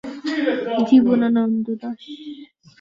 তার পিতা একজন নাবিক এবং মাতা একজন গৃহিণী।